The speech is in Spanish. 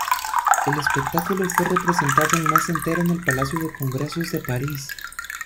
El espectáculo fue representado un mes entero en el Palacio de Congresos de París.